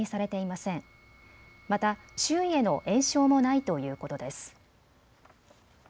また周囲への延焼もないということです。